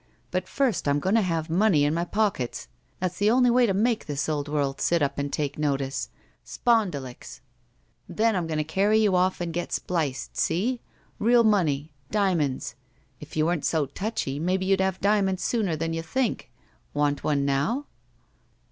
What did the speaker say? But first I'm going to have money in my pockets! That's the only way to make this old world sit up and take notice. Spondulicks ! Then I'm going to carry you off and get spliced. See? Real money. Diamonds. If you weren't so touchy, maybe you'd have diamonds sooner than you think. Want one now?"